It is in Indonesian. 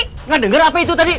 tidak denger apa itu tadi